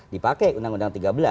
dipakai undang undang tiga belas